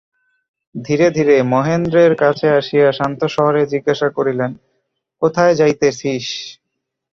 ধীরে ধীরে মহেন্দ্রের কাছে আসিয়া শান্তস্বরে জিজ্ঞাসা করিলেন, কোথায় যাইতেছিস।